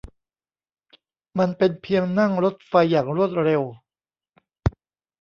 มันเป็นเพียงนั่งรถไฟอย่างรวดเร็ว